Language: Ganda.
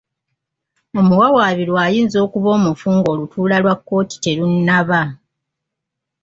Omuwawaabirwa ayinza okuba omufu ng'olutuula lwa Kkooti terunnaba.